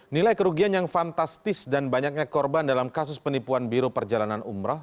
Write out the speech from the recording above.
nilai kerugian yang fantastis dan banyaknya korban dalam kasus penipuan biro perjalanan umroh